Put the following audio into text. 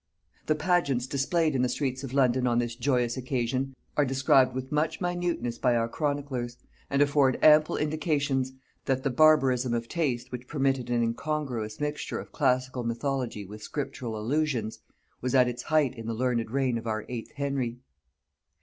The pageants displayed in the streets of London on this joyful occasion, are described with much minuteness by our chroniclers, and afford ample indications that the barbarism of taste which permitted an incongruous mixture of classical mythology with scriptural allusions, was at its height in the learned reign of our eighth Henry.